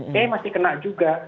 oke masih kena juga